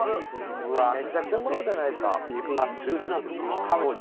うわぁめちゃくちゃうまそうじゃないですか。